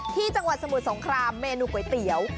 จังหวัดสมุทรสงครามเมนูก๋วยเตี๋ยว